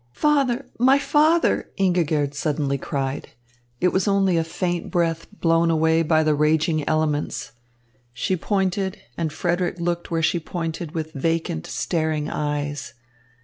"Father! My father!" Ingigerd suddenly cried. It was only a faint breath blown away by the raging elements. She pointed, and Frederick looked where she pointed with vacant, staring eyes.